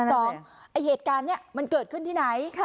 ไอ้เหตุการณ์นี้มันเกิดขึ้นที่ไหน